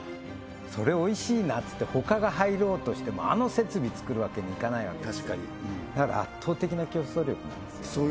それおいしいなつって他が入ろうとしてもあの設備つくるわけにいかないわけですよだから圧倒的な競争力なんですよね